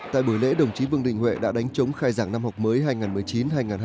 tại buổi lễ đồng chí vương đình huệ đã đánh chống khai giảng năm học mới hai nghìn một mươi chín hai nghìn hai mươi